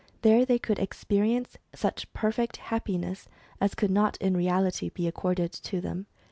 There they could experience such perfect happiness as could not in reality be accorded to them.